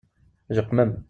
Jeqqmem!